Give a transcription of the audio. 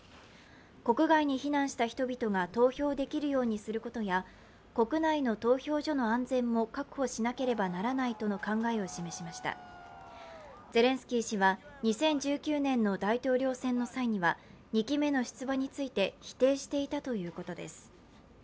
国外に避難したした人々が投票できるようにすることや国内の投票所の安全も確保しなければならないとの考えを示しましたゼレンスキー氏は２０１９年の大統領選の際には２期目の出馬については否定していたということです。